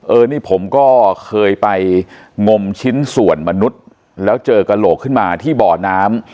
เออนี่ผมก็เคยไปงมชิ้นส่วนมนุษย์แล้วเจอกระโหลกขึ้นมาที่บ่อน้ำ